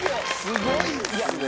すごいですね。